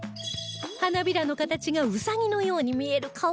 花びらの形がウサギのように見える可愛い